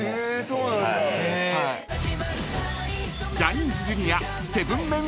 ［ジャニーズＪｒ．］